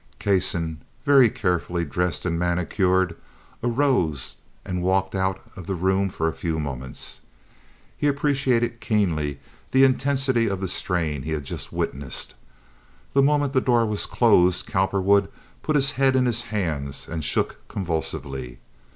Kasson, very carefully dressed and manicured, arose and walked out of the room for a few moments. He appreciated keenly the intensity of the strain he had just witnessed. The moment the door was closed Cowperwood put his head in his hands and shook convulsively.